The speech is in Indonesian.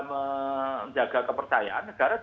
menjaga kepercayaan negara